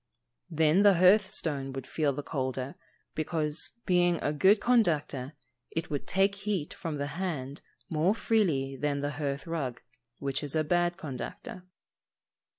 _ Then the hearth stone would feel the colder, because, being a good conductor, it would take heat from the hand more freely than the hearth rug, which is a bad conductor.